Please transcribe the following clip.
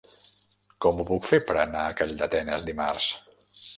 Com ho puc fer per anar a Calldetenes dimarts?